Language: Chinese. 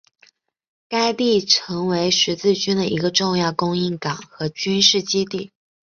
该地曾为十字军的一个重要的供应港和军事基地。